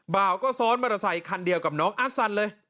บ่าวก็ซ้อนมอเตอร์ไซคันเดียวกับน้องอาร์ซันเลย